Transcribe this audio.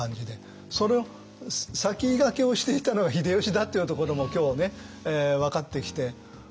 それを先駆けをしていたのが秀吉だというところも今日分かってきて。